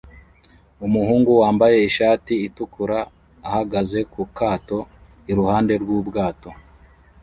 Umuhungu wambaye ishati itukura ahagaze ku kato iruhande rw'ubwato